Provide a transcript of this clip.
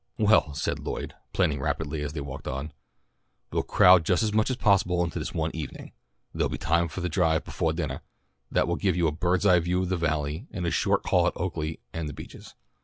"Well," said Lloyd, planning rapidly as they walked on. "We'll crowd just as much as possible into this one evening. There'll be time for a drive befoah dinnah, that will give you a bird's eye view of the Valley, and a short call at Oaklea and The Beeches.